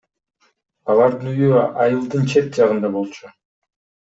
Алардын үйү айылдын чет жагында болчу.